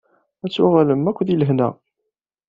Ad tuɣalem akk di lehna.